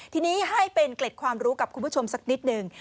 ทีนี้ให้เป็นเกล็ดความรู้กับคุณผู้ชมสักนิดหนึ่ง